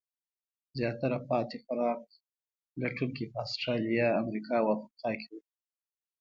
زیاتره پاتې خوراک لټونکي په استرالیا، امریکا او افریقا کې وو.